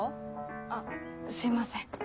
あっすいません。